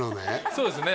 そうですね